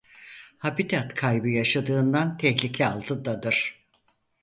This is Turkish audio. Habitat kaybı yaşadığından tehlike altındadır.